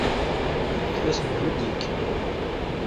Kker-as qebl ad d-ikker.